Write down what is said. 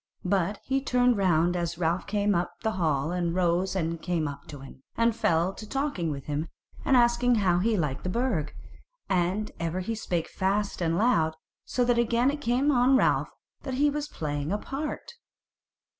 But he turned round as Ralph came up the hall and rose and came up to him, and fell to talking with him and asking him how he liked the Burg; and ever he spake fast and loud, so that again it came on Ralph that he was playing a part.